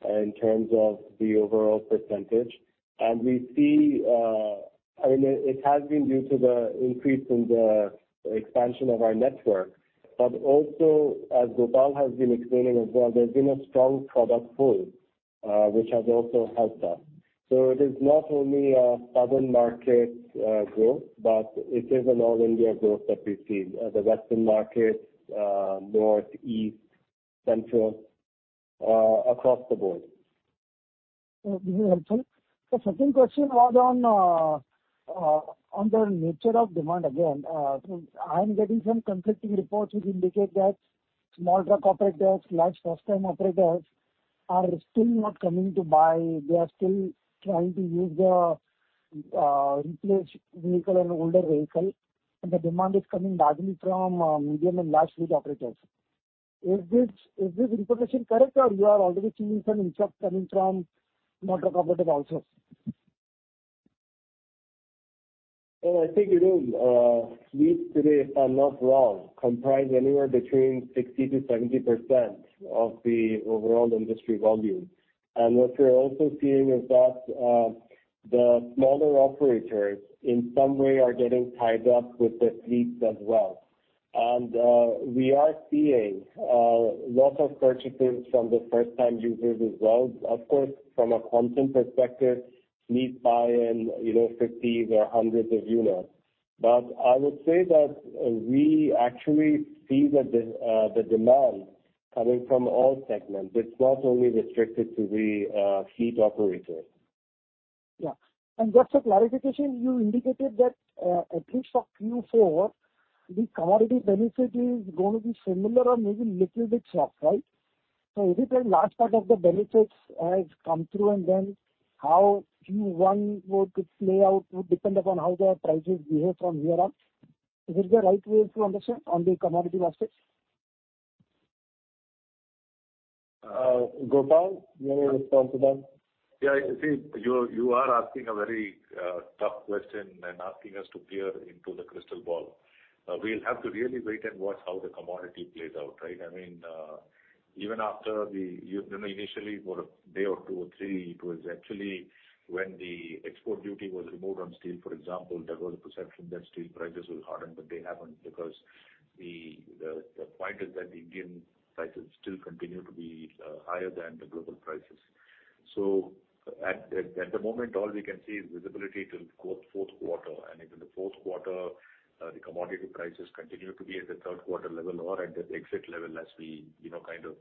in terms of the overall percentage. And we see, I mean, it has been due to the increase in the expansion of our network, but also, as Gopal has been explaining as well, there's been a strong product pull, which has also helped us. It is not only a Southern market growth, but it is an all-India growth that we've seen. The Western markets, North, East, Central, across the board. This is helpful. The second question was on the nature of demand again. I'm getting some conflicting reports which indicate that small truck operators, large first-time operators are still not coming to buy. They are still trying to use the replaced vehicle and older vehicle, and the demand is coming largely from medium and large fleet operators. Is this information correct, or you are already seeing some interest coming from small truck operators also? Well, I think it is, fleets today, if I'm not wrong, comprise anywhere between 60%-70% of the overall industry volume. And what we're also seeing is that, the smaller operators in some way are getting tied up with the fleets as well. We are seeing, a lot of purchases from the first-time users as well. Of course, from a quantum perspective, fleets buy in, you know, 50s or 100s of units. But I would say that we actually see that the demand coming from all segments. It's not only restricted to the, fleet operators. Yeah. And just for clarification, you indicated that, at least for Q4, the commodity benefit is gonna be similar or maybe little bit soft, right? Is it a large part of the benefits has come through and then how Q1 would play out would depend upon how the prices behave from here on. Is this the right way to understand on the commodity offsets? Gopal, will you want to respond to that? Yeah. You're, you are asking a very tough question and asking us to peer into the crystal ball. We'll have to really wait and watch how the commodity plays out, right? I mean, even after we... You know, initially for a day or two or three, it was actually when the export duty was removed on steel, for example, there was a perception that steel prices will harden, but they haven't because the point is that the Indian prices still continue to be higher than the global prices. At the moment, all we can see is visibility till fourth quarter. And if in the fourth quarter, the commodity prices continue to be at the third quarter level or at the exit level, as we, you know, kind of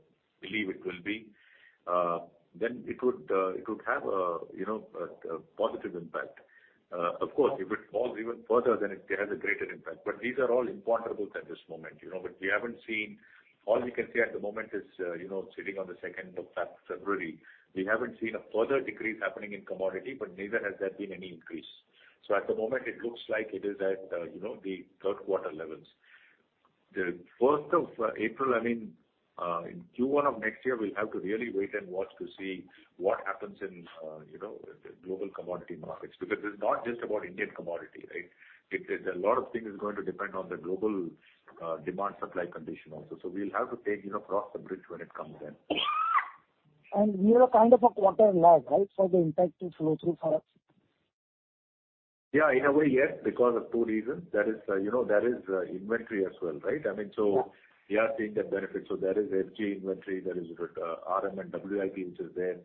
believe it will be, then it could, it could have a, you know, a positive impact. Of course, if it falls even further, then it has a greater impact. But these are all imponderables at this moment, you know. But we haven't seen, all we can say at the moment is, you know, sitting on the second of February, we haven't seen a further decrease happening in commodity, but neither has there been any increase. So at the moment, it looks like it is at, you know, the third quarter levels. The first of April, I mean, in Q1 of next year, we'll have to really wait and watch to see what happens in, you know, the global commodity markets because it's not just about Indian commodity, right? A lot of things is going to depend on the global demand supply condition also. We'll have to take, you know, cross the bridge when it comes then. And we have kind of a quarter lag, right, for the impact to flow through for us? Yeah. In a way, yes, because of two reasons. That is, inventory as well, right? I mean. Yeah. We are seeing that benefit. There is FG inventory, there is RM and WIP which is there.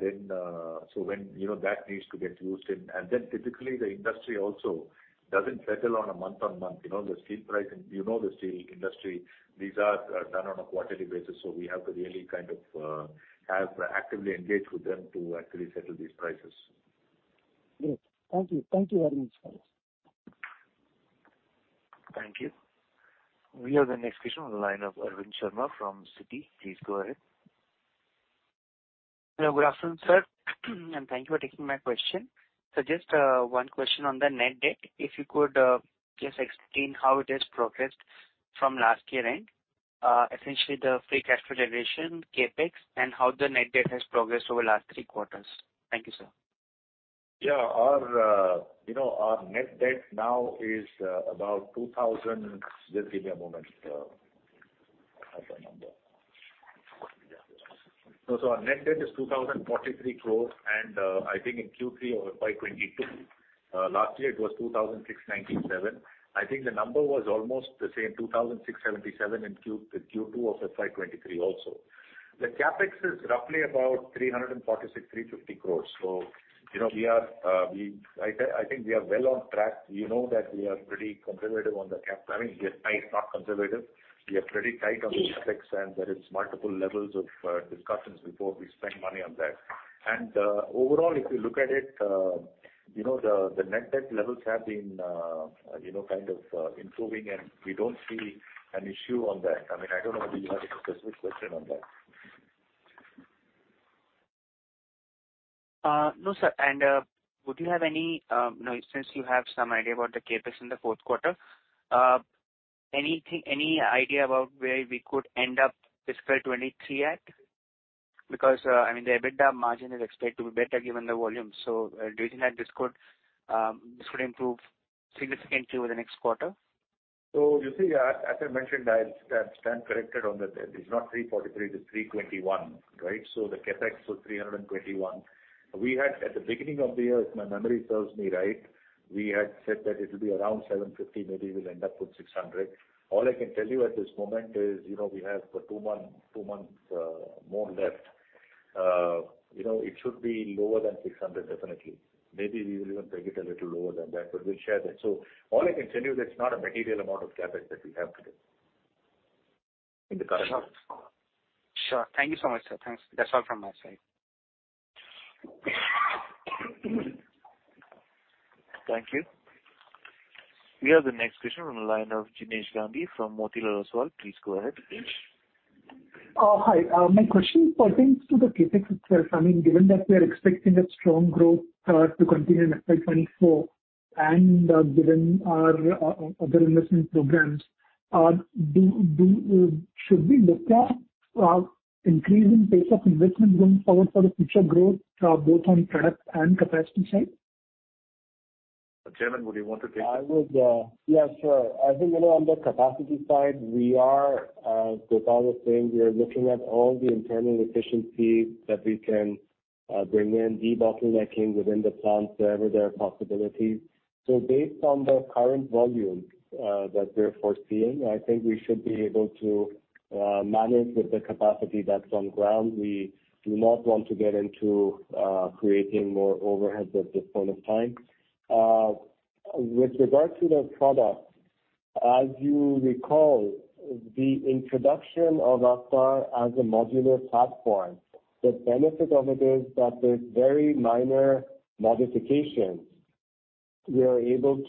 Then, so when, you know, that needs to get used in. And then typically the industry also doesn't settle on a month-on-month. You know, the steel pricing, you know, the steel industry, these are done on a quarterly basis, so we have to really kind of have actively engaged with them to actually settle these prices. Great. Thank you. Thank you very much for this. Thank you. We have the next question on the line of Arvind Sharma from Citi. Please go ahead. Hello. Good afternoon, sir, and thank you for taking my question. So just one question on the net debt. If you could just explain how it has progressed from last year end. Essentially the free cash flow generation, CapEx, and how the net debt has progressed over last three quarters. Thank you, sir. Yeah. Our, you know, our net debt now is about 2,000 crore. Just give me a moment, I have a number. So our net debt is 2,043 crore. And I think in Q3 of FY 2022 last year it was 2,697 crore. I think the number was almost the same, 2,677 crore in Q2 of FY 2023 also. The CapEx is roughly about 346 crore, 350 crore. You know, we are, I think we are well on track. You know that we are pretty conservative on the CapEx. I mean, we are tight, not conservative. We are pretty tight on the CapEx, and there is multiple levels of discussions before we spend money on that. Overall, if you look at it, you know, the net debt levels have been, you know, kind of, improving, and we don't see an issue on that. I mean, I don't know whether you have a specific question on that. No, sir. And would you have any, you know, since you have some idea about the CapEx in the fourth quarter, anything, any idea about where we could end up fiscal 2023 at? Because, I mean, the EBITDA margin is expected to be better given the volume. So do you think that this could improve significantly over the next quarter? So you see, as I mentioned, I stand corrected on that. It is not 343 crore, it is 321 crore, right? So the CapEx was 321 crore. We had, at the beginning of the year, if my memory serves me right, we had said that it'll be around 750 crore, maybe we'll end up with 600 crore. All I can tell you at this moment is, you know, we have two months more left. You know, it should be lower than 600 crore, definitely. Maybe we will even take it a little lower than that, but we'll share that. All I can tell you that it's not a material amount of CapEx that we have today. Sure. Thank you so much, sir. Thanks. That's all from my side. Thank you. We have the next question from the line of Jinesh Gandhi from Motilal Oswal. Please go ahead, Jinesh. Hi. My question pertains to the CapEx itself. I mean, given that we are expecting a strong growth to continue in FY 2024 and given our other investment programs, should we look at increasing pace of investment going forward for the future growth, both on product and capacity side? Chairman, would you want to take that? I would. Yes, sure. I think, you know, on the capacity side, we are, as Gopal was saying, we are looking at all the internal efficiencies that we can bring in, debottlenecking within the plants wherever there are possibilities. So based on the current volume that we're foreseeing, I think we should be able to manage with the capacity that's on ground. We do not want to get into creating more overheads at this point of time. With regard to the product, as you recall, the introduction of AVTR as a modular platform, the benefit of it is that there's very minor modifications. We are able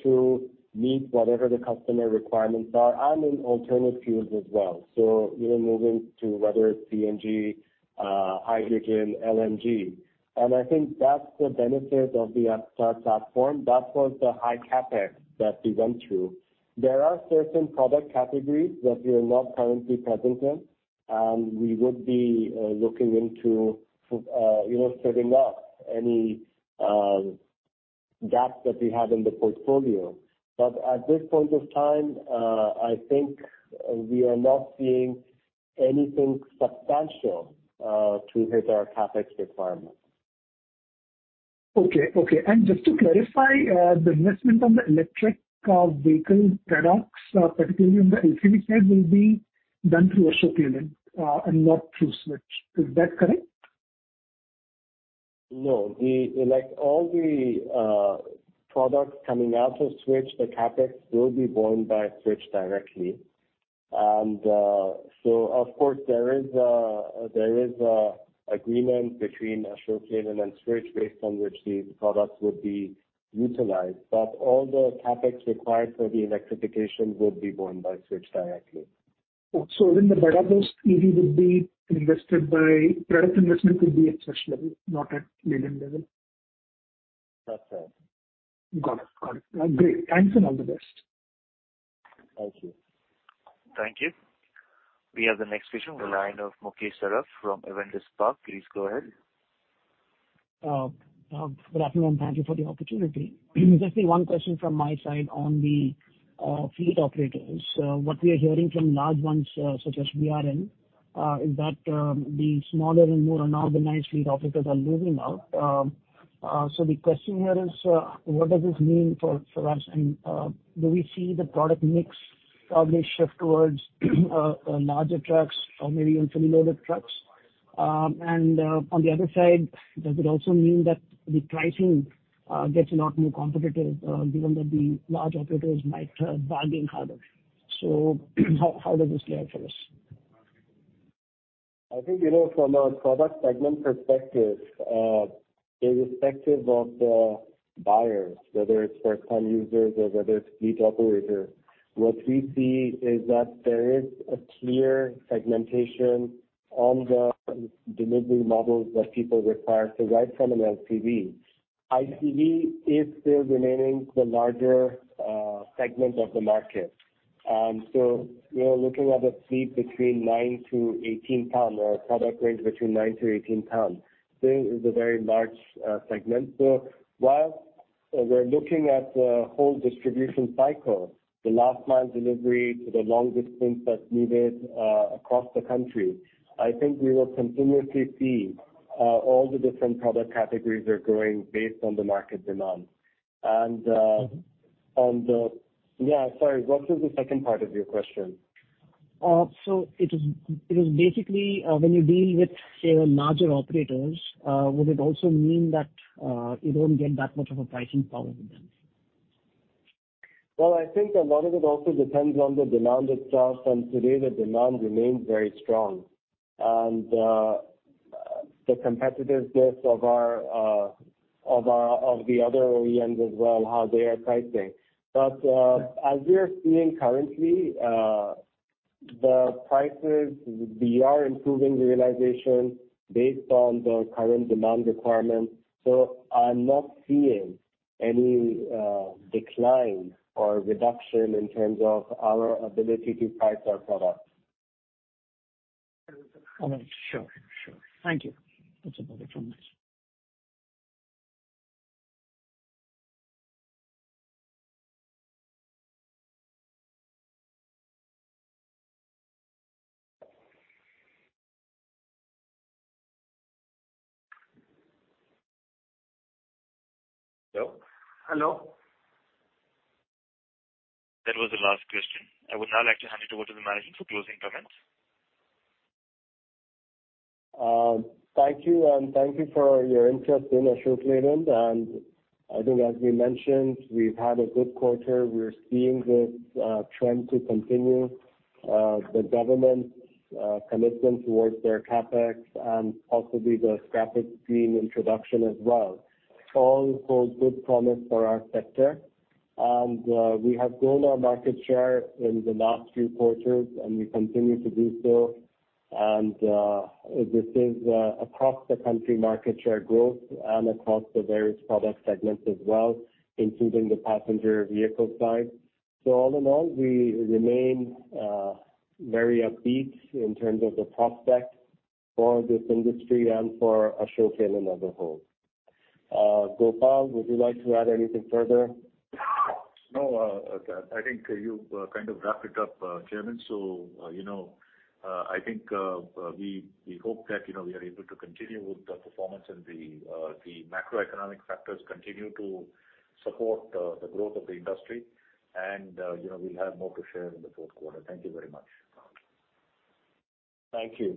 to meet whatever the customer requirements are and in alternate fuels as well. So even moving to whether it's CNG, hydrogen, LNG. And I think that's the benefit of the AVTR platform. That was the high CapEx that we went through. There are certain product categories that we are not currently present in, and we would be looking into, you know, setting up any gaps that we have in the portfolio. At this point of time, I think we are not seeing anything substantial to hit our CapEx requirements. Okay. Okay. Just to clarify, the investment on the electric vehicle products, particularly on the LCV side, will be done through Ashok Leyland, and not through Switch. Is that correct? No. Like, all the products coming out of Switch, the CapEx will be borne by Switch directly. And so of course, there is agreement between Ashok Leyland and Switch based on which the products would be utilized, but all the CapEx required for the electrification will be borne by Switch directly. Product investment would be at Switch level, not at Leyland level. That's right. Got it. Got it. Great. Thanks, and all the best. Thank you. Thank you. We have the next question from the line of Mukesh Saraf from Avendus Spark. Please go ahead. Good afternoon. Thank you for the opportunity. Just the one question from my side on the fleet operators. So what we are hearing from large ones, such as VRL, is that the smaller and more unorganized fleet operators are losing out. The question here is, what does this mean for us? And do we see the product mix may shift towards larger trucks or maybe even fully loaded trucks? And on the other side, does it also mean that the pricing gets a lot more competitive, given that the large operators might bargain harder? So how does this play out for us? I think, you know, from a product segment perspective, irrespective of the buyers, whether it's first-time users or whether it's fleet operator, what we see is that there is a clear segmentation on the delivery models that people require to buy from an LCV. ICV is still remaining the larger segment of the market. We are looking at a fleet between nine- to 18-ton or a product range between nine- to 18-ton. Still it's a very large segment. So while we're looking at the whole distribution cycle, the last mile delivery to the long distance that's needed, across the country, I think we will continuously see all the different product categories are growing based on the market demand. And yeah. Sorry, what was the second part of your question? It is basically, when you deal with, say, larger operators, would it also mean that, you don't get that much of a pricing power with them? Well, I think a lot of it also depends on the demand itself, and today the demand remains very strong. And the competitiveness of our, of the other OEMs as well, how they are pricing. But as we are seeing currently, the prices would be, we are improving realization based on the current demand requirements. So I'm not seeing any decline or reduction in terms of our ability to price our products. All right. Sure. Sure. Thank you. That's about it from my side. Hello? Hello. That was the last question. I would now like to hand you over to the management for closing comments. Thank you, and thank you for your interest in Ashok Leyland. And I think as we mentioned, we've had a good quarter. We're seeing this trend to continue, the government's commitment towards their CapEx and possibly the scrappage scheme introduction as well, all hold good promise for our sector. We have grown our market share in the last few quarters, and we continue to do so. And this is across the country market share growth and across the various product segments as well, including the passenger vehicle side. All in all, we remain very upbeat in terms of the prospect for this industry and for Ashok Leyland as a whole. Gopal, would you like to add anything further? I think you kind of wrapped it up, Chairman. So, you know, I think we hope that, you know, we are able to continue with the performance and the macroeconomic factors continue to support the growth of the industry. You know, we'll have more to share in the fourth quarter. Thank you very much. Thank you.